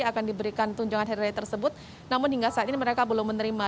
akan diberikan tunjangan hari raya tersebut namun hingga saat ini mereka belum menerima